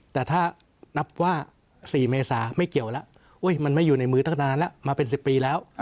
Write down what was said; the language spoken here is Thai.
แต่ถ้านับว่า๔เมษาไม่เกี่ยวแล้วมันไม่อยู่ในมือตั้งนานแล้วมาเป็น๑๐ปีแล้ว